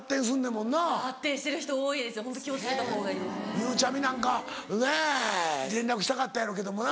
ゆうちゃみなんかねぇ連絡したかったやろけどもな。